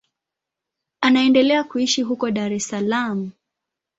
Anaendelea kuishi huko Dar es Salaam.